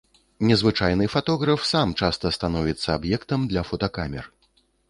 Незвычайны фатограф сам часта становіцца аб'ектам для фотакамер.